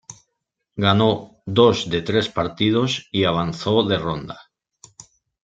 Ganó dos de tres partidos y avanzó de ronda.